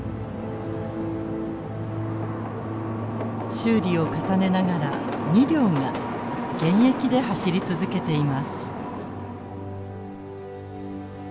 修理を重ねながら２両が現役で走り続けています。